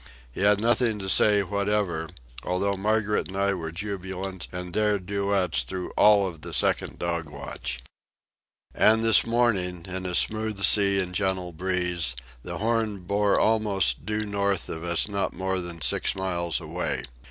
He had nothing to say whatever, although Margaret and I were jubilant and dared duets through all of the second dog watch. And this morning, in a smooth sea and gentle breeze, the Horn bore almost due north of us not more than six miles away.